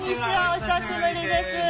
お久しぶりです。